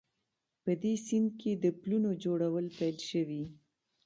په دې سیند کې د پلونو جوړول پیل شوي